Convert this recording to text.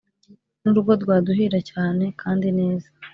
n’urugo rwaduhira cyane kandi neza